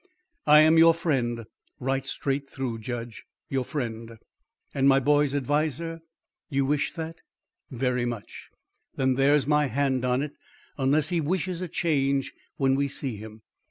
"I am your friend, right straight through, judge. Your friend." "And my boy's adviser?" "You wish that?" "Very much." "Then, there's my hand on it, unless he wishes a change when we see him."